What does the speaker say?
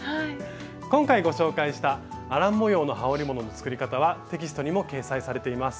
今回ご紹介したアラン模様のはおりものの作り方はテキストにも掲載されています。